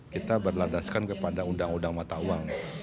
kita berladaskan kepada undang undang mata uang